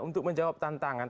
untuk menjawab tantangan